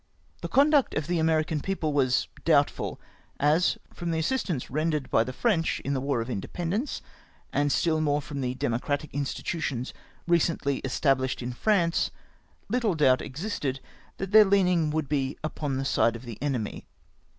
The conduct of the American people was doubtful, as, from the assistance rendered by the French in the War of Independence, and still more from the democratic institutions recently estabhshed in France, httle doubt existed that their leaning would be upon the side of the enemy.